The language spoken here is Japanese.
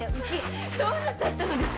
どうなさったのです？